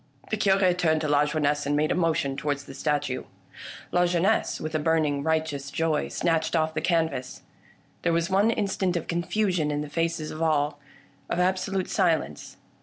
The Cure turned to Lajeunesse and made a motion towards the statue. Lajeunesse, with a burning right eous joy, snatched off the canvas. There was one in stant of confusion in the faces of all — of absolute silence.